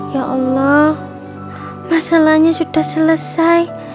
ya allah masalahnya sudah selesai